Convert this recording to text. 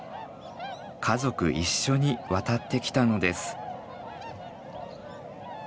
家族一緒に渡ってきたのです。